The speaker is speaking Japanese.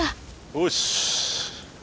よし！